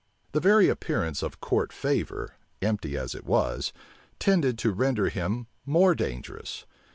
The very appearance of court favor, empty as it was, tended to render him more dangerous.